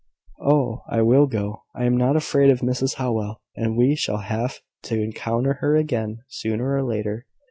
"Oh! I will go. I am not afraid of Mrs Howell; and we shall have to encounter her again, sooner or later.